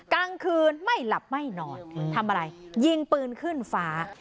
กลางคืนไม่หลับไม่นอนทำอะไรยิงปืนขึ้นฟ้า